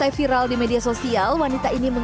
pada hari ini mereka juga melam mighty